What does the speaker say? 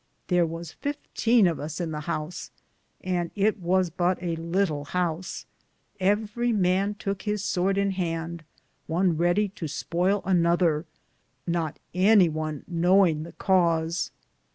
Thare was 15 of us in the house, and it was bute a litle house ; everie man touke his sorde in hande, one reddie to spoyle another, not any one knowinge the Cause.